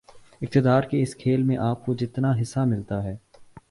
اقتدار کے اس کھیل میں آپ کو جتنا حصہ ملتا ہے